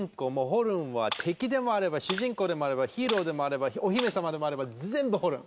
ホルンは敵でもあれば主人公でもあればヒーローでもあればお姫様でもあれば全部ホルン！